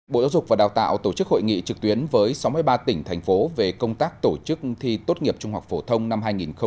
bộ giáo dục và đào tạo tổ chức hội nghị trực tuyến với sáu mươi ba tỉnh thành phố về công tác tổ chức thi tốt nghiệp trung học phổ thông năm hai nghìn hai mươi